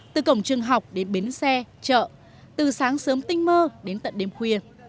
từ cổng trường học đến bến xe chợ từ sáng sớm tinh mơ đến tận đêm khuya